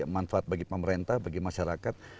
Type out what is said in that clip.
manfaat bagi pemerintah bagi masyarakat